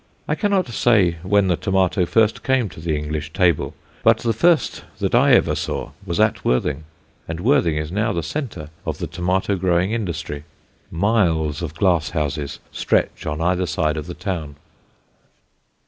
I cannot say when the tomato first came to the English table, but the first that I ever saw was at Worthing, and Worthing is now the centre of the tomato growing industry. Miles of glass houses stretch on either side of the town.